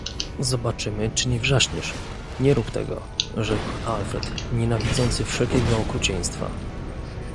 "Zobaczymy, czy nie wrzaśniesz.“ „Nie rób tego!“ rzekł Alfred nienawidzący wszelkiego okrucieństwa."